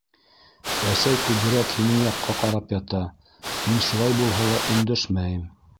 Әсәй күберәк һинең яҡҡа ҡарап ята, мин шулай булһа ла өндәшмәйем.